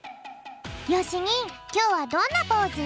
きょうはどんなポーズ？